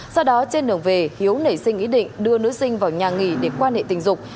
sau đó trên đường về hiếu nảy sinh ý định đưa nữ sinh vào nhà nghỉ để quan hệ tình dục